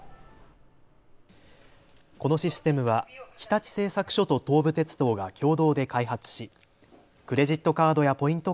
このシステムは日立製作所と東武鉄道が共同で開発しクレジットカードやポイント